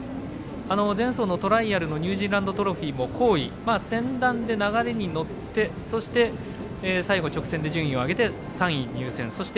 前走のトライアルのニュージーランドトロフィーも好位、先団で流れに乗ってそして最後、直線で順位を上げて３位入線。